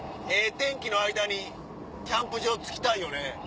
天気の間にキャンプ場着きたいよね。